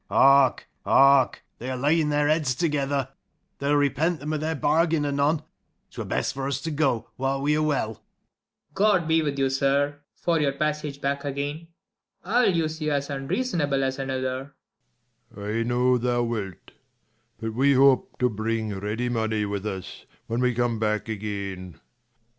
Second Mar. Hark, hark, they are laying their heads together, 40 They'll repent them of their bargain anon, 'Twere best for us to go while we are well. First Mar. God be with you, sir, for your passage back again, G 32 KING LEIR AND [Acr V I'll use you as unreasonable as another. Lelr. I know thou wilt; but we hope to bring ready money 45 With us, when we come back again.